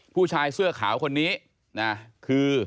ผู้ชายเสื้อขาวคนนี้นะคือ